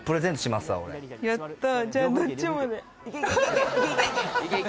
やった！